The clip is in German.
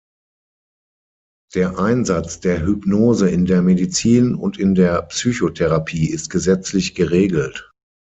Der Einsatz der Hypnose in der Medizin und in der Psychotherapie ist gesetzlich geregelt.